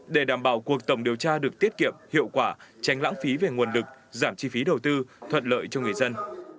để đảm bảo cuộc tổng điều tra được tiết kiệm hiệu quả tránh lãng phí về nguồn lực giảm chi phí đầu tư thuận lợi cho người dân